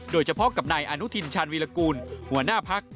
โดยเฉพาะกับนายอนุทินชาญวีรกูลหัวหน้าพัก